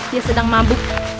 dia sedang mabuk